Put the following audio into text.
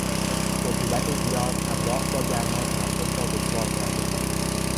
رطوبت زیاد همراه با گرما تنفس را دشوار کرده بود.